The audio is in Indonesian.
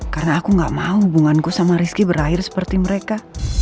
karena aku gak mau hubunganku sama rizky berair seperti mereka